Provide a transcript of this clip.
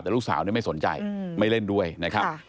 แต่ลูกสาวไม่สนใจไม่เล่นด้วยนะครับ